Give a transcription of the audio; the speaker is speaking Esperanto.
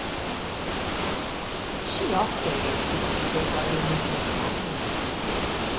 Ŝi ofte estis videbla en reklamoj.